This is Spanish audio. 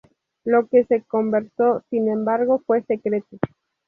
Lo que se conversó, sin embargo, fue secreto.